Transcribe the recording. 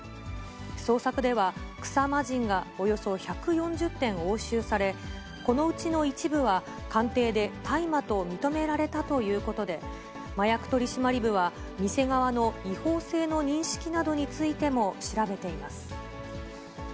捜索では、草魔人がおよそ１４０点押収され、このうちの一部は鑑定で大麻と認められたということで、麻薬取締部は、店側の違法性の認識などについても調べています。